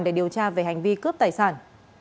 để điều tra về hành vi cướp tài sản